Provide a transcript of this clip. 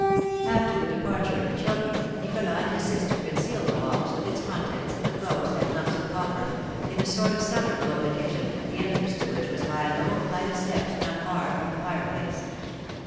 After the departure of the children, Nicholas and his sister concealed the box, with its contents, the clothes, and lumps of copper, in a sort of cellar below the kitchen, the entrance to which was by a low flight of steps not far from the fireplace.